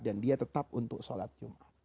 dan dia tetap untuk sholat jumat